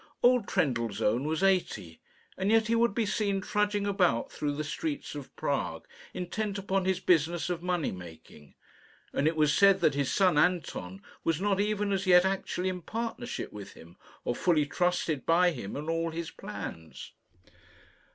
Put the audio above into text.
Old Trendellsohn was eighty, and yet he would be seen trudging about through the streets of Prague, intent upon his business of money making; and it was said that his son Anton was not even as yet actually in partnership with him, or fully trusted by him in all his plans.